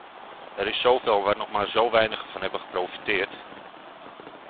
Er is zoveel waar nog maar zo weinigen van hebben geprofiteerd.